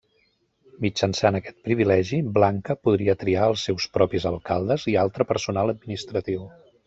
Mitjançant aquest privilegi, Blanca podria triar els seus propis alcaldes i altre personal administratiu.